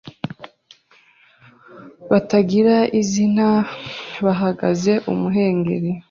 batagira izina bahagazeUmuhengeri